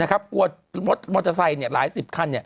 กลัวรถมอเตอร์ไซค์หลายสิบคัน